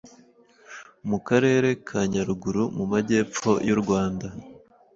mu karere ka Nyaruguru mu majyepfo y’u Rwanda,